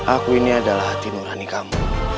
aku ini adalah hati nurani kamu